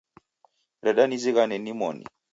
Reda nizighane nimoni